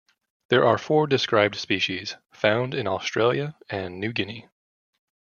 There are four described species found in Australia and New Guinea.